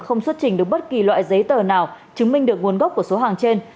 không xuất trình được bất kỳ loại giấy tờ nào chứng minh được nguồn gốc của số hàng trên